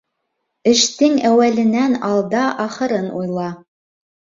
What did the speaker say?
Эштең әүәленән алда ахырын уйла.